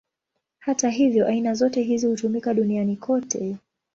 Hata hivyo, aina zote hizi hutumika duniani kote.